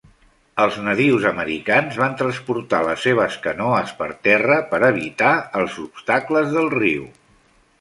Els nadius americans van transportar les seves canoes per terra per evitar els obstacles del riu.